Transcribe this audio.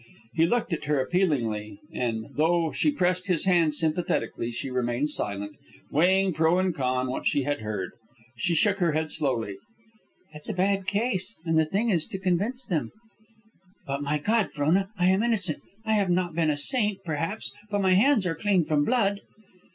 He looked at her appealingly, and, though she pressed his hand sympathetically, she remained silent, weighing pro and con what she had heard. She shook her head slowly. "It's a bad case, and the thing is to convince them " "But, my God, Frona, I am innocent! I have not been a saint, perhaps, but my hands are clean from blood."